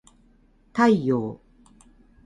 太陽